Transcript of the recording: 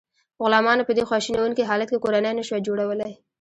غلامانو په دې خواشینونکي حالت کې کورنۍ نشوای جوړولی.